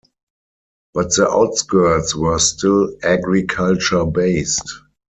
But the outskirts were still agriculture based.